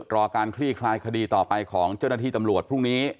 รอการคลี่คลายคดีต่อไปของเจ้าหน้าที่ตำรวจพรุ่งนี้